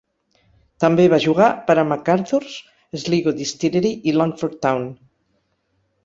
També va jugar per a McArthurs, Sligo Distillery i Longford Town.